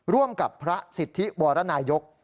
ร่วมกับพระสิทธิวรนายก